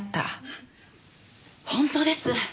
本当です。